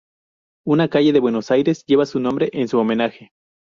Una calle de Buenos Aires lleva su nombre en su homenaje.